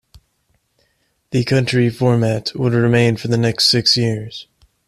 The country format would remain for the next six years.